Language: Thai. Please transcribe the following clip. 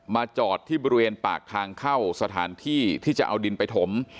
จอดที่บริเวณปากทางเข้าสถานที่ที่จะเอาดินไปถม